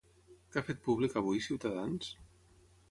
Què ha fet públic avui Ciutadans?